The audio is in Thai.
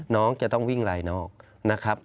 น้องจะต้องวิ่งลายนอกนะครับ